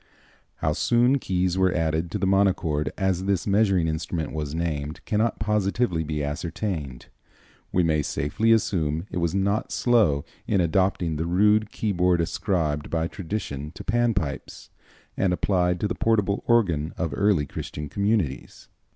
How soon keys were added to the monochord, as this measuring instrument was named, cannot positively be ascertained. We may safely assume it was not slow in adopting the rude keyboard ascribed by tradition to Pan pipes, and applied to the portable organ of early Christian communities.